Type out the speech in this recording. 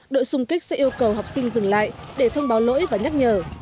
đội xung kích sẽ yêu cầu học sinh dừng lại để thông báo lỗi và nhắc nhở